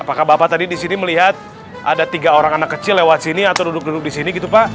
apakah bapak tadi di sini melihat ada tiga orang anak kecil lewat sini atau duduk duduk di sini gitu pak